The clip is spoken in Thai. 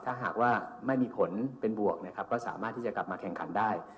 ถ้าหากว่าไม่มีผลเป็นบวกนะครับก็สามารถที่จะกลับมาแข่งขันได้